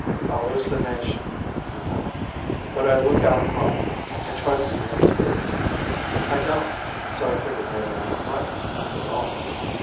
"Hallucination," I tell him. But I look out hard and try to see one too. I don't, so I figure maybe I am right, after all.